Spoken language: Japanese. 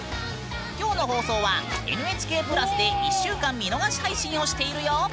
今日の放送はＮＨＫプラスで１週間見逃し配信をしているよ。